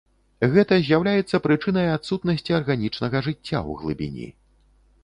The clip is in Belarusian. Гэта з'яўляецца прычынай адсутнасці арганічнага жыцця ў глыбіні.